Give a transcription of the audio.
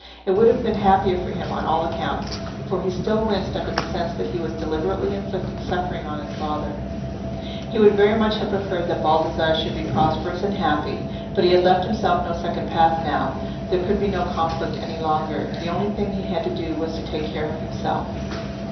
—it would have been happier for him on all accounts; for he still winced under the sense that he was deliberately inflicting suffering on his father: he would very much have preferred that Baldassarre should be prosperous and happy. But he had left himself no second path now: there could be no conflict any longer: the only thing he had to do was to take care of himself.